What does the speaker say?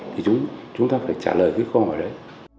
thì chúng ta phải trả lời cái câu hỏi đấy